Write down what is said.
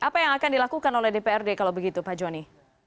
apa yang akan dilakukan oleh dprd kalau begitu pak joni